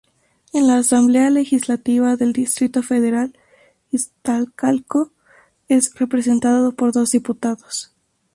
En la Asamblea Legislativa del Distrito Federal, Iztacalco es representado por dos diputados.